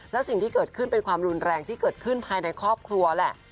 แล้วสิ่งที่เกิดขึ้นเป็นความรุนแรงที่เกิดขึ้นภายในครอบครัวแหละ